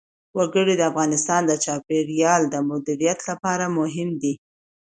وګړي د افغانستان د چاپیریال د مدیریت لپاره مهم دي.